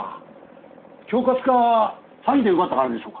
恐喝か詐欺で奪った金でしょうか？